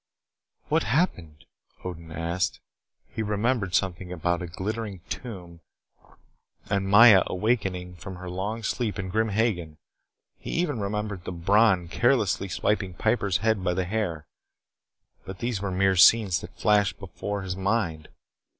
"What happened?" Odin asked. He remembered something about a glittering tomb and Maya awakening from her long sleep and Grim Hagen. He even remembered the Bron carelessly swinging Piper's head by the hair. But these were mere scenes that flashed before his mind.